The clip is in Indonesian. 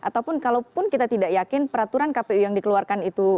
ataupun kalaupun kita tidak yakin peraturan kpu yang dikeluarkan itu